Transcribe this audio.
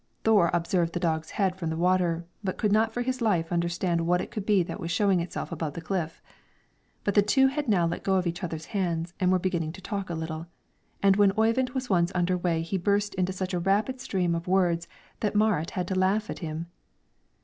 Thore observed the dog's head from the water, but could not for his life understand what it could be that was showing itself on the cliff above. But the two had now let go of each other's hands and were beginning to talk a little. And when Oyvind was once under way he burst into such a rapid stream of words that Marit had to laugh at him.